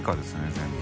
全部。